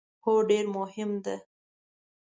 هو، ډیر مهم ده